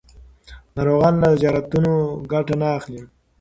ناروغان له زیارتونو ګټه نه اخلي.